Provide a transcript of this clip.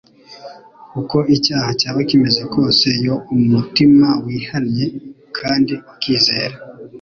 Uko icyaha cyaba kimeze kose, iyo umutima wihannye, kandi ukizera,